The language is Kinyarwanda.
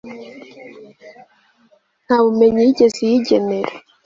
nta bumenyi yigeze iyigenera